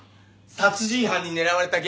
殺人犯に狙われた芸人。